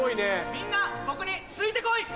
みんな僕についてこい！